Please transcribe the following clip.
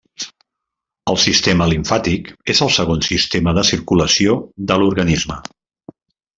El sistema limfàtic és el segon sistema de circulació de l'organisme.